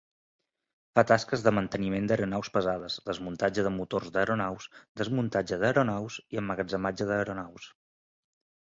Fa tasques de manteniment d'aeronaus pesades, desmuntatge de motors d'aeronaus, desmuntatge d'aeronaus i emmagatzematge d'aeronaus.